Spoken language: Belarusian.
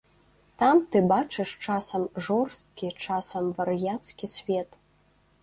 Там ты бачыш часам жорсткі, часам вар'яцкі свет.